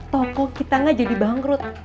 toko kita gak jadi bangkrut